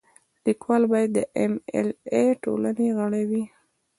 لیکوال باید د ایم ایل اې ټولنې غړی وي.